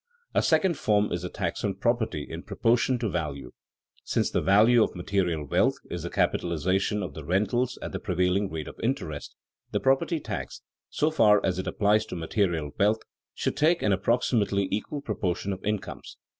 A second form is a tax on property in proportion to value. Since the value of material wealth is the capitalization of the rentals at the prevailing rate of interest, the property tax, so far as it applies to material wealth, should take an approximately equal proportion of incomes.